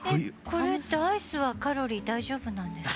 これってアイスはカロリー大丈夫なんですか？